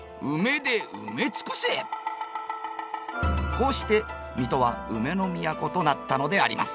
こうして水戸はウメの都となったのであります。